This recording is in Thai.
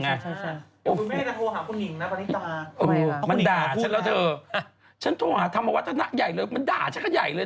คุณแม่จะโทรหาคุณหญิงนะปานี่ต่าง